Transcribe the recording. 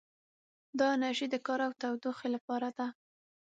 دا انرژي د کار او تودوخې لپاره ده.